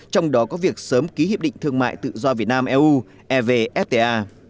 trong đó có việc sớm ký hiệp định thương mại tự do việt nam eu evfta